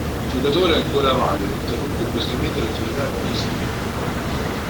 Giocatore ancora valido, interruppe bruscamente l'attività agonistica.